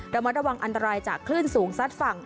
ระมัดระวังอันตรายจากคลื่นสูงซัดฝั่ง